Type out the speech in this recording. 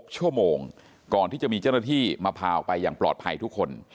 ๖ชั่วโมงก่อนที่จะมีเจ้าหน้าที่มาพาออกไปอย่างปลอดภัยทุกคน